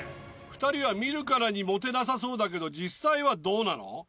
２人は見るからにモテなさそうだけど実際はどうなの？